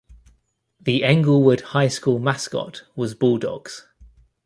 The Englewood High School mascot was Bulldogs.